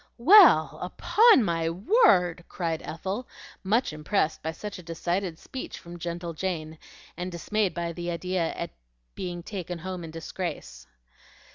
"Well, upon my word!" cried Ethel, much impressed by such a decided speech from gentle Jane, and dismayed at the idea of being taken home in disgrace.